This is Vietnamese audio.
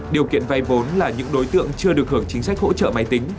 điều kiện vay vốn là những đối tượng chưa được hưởng chính sách hỗ trợ máy tính